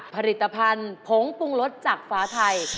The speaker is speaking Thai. ผลิตภัณฑ์ผงปรุงรสจากฝาไทย